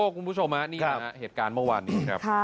คุณผู้ชมนี่ฮะเหตุการณ์เมื่อวานนี้ครับ